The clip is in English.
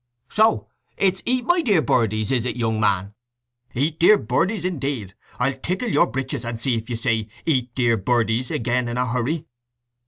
"So it's 'Eat my dear birdies,' is it, young man? 'Eat, dear birdies,' indeed! I'll tickle your breeches, and see if you say, 'Eat, dear birdies,' again in a hurry!